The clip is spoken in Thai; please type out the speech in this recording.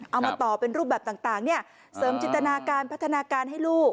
เอามาต่อเป็นรูปแบบต่างเนี่ยเสริมจินตนาการพัฒนาการให้ลูก